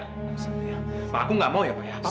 pak aku gak mau ya pak